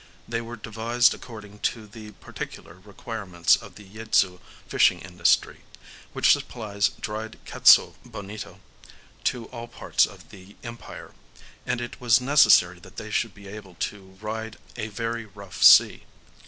They were devised according to the particular requirements of the Yaidzu fishing industry, which supplies dried katsuo (bonito) to all parts of the Empire; and it was necessary that they should be able to ride a very rough sea.